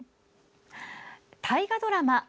大河ドラマ